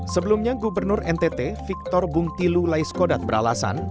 sebelumnya gubernur ntt victor bung tilu laiskodat beralasan